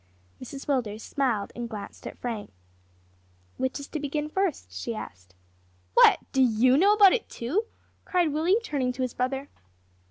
Mrs Willders smiled and glanced at Frank. "Which is to begin first?" she asked. "What! do you know about it, too?" cried Willie, turning to his brother.